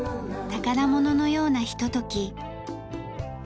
宝物のようなひととき。